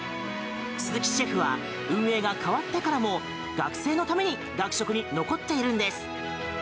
鈴木シェフは運営が変わってからも学生のために学食に残っているんです。